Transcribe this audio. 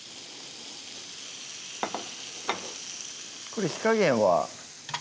これ火加減は？